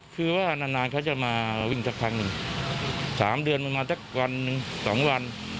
คือว่านานเขาจะมาวิ่งสักครั้ง๓เดือนประมาณวัน๑๒วัน